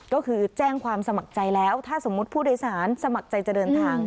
ก็คือแจ้งความสมัครใจแล้วถ้าสมมุติผู้โดยสารสมัครใจจะเดินทาง